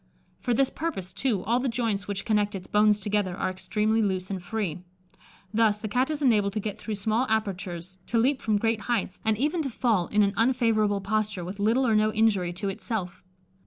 For this purpose, too, all the joints which connect its bones together are extremely loose and free. Thus, the Cat is enabled to get through small apertures, to leap from great heights, and even to fall in an unfavourable posture with little or no injury to itself.